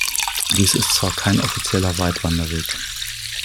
Dies ist zwar kein offizieller Weitwanderweg.